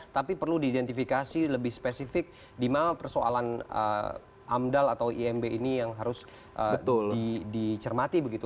tapi perlu diidentifikasi lebih spesifik di mana persoalan amdal atau imb ini yang harus dicermati begitu